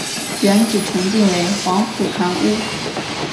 原址全境为黄埔船坞。